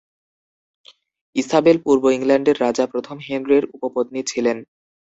Isabel পূর্বে ইংল্যান্ডের রাজা প্রথম হেনরির উপপত্নী ছিলেন।